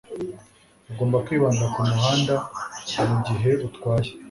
Ugomba kwibanda kumuhanda mugihe utwaye